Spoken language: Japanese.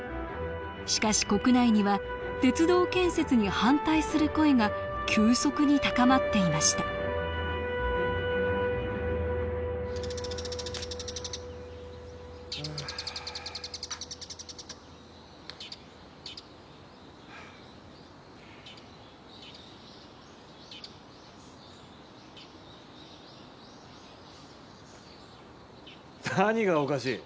しかし国内には鉄道建設に反対する声が急速に高まっていました何がおかしい？